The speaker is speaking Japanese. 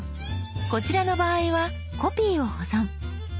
こちらの場合は「コピーを保存」。